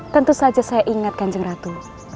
tentu saja saya ingat kanjeng ratu